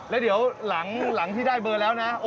แล้วหลังที่ได้เบอร์แล้วนะ